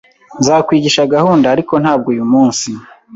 Nzakwigisha gahunda, ariko ntabwo uyu munsi